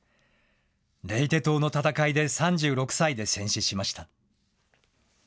レイテ島の戦いで３６歳で戦死しました。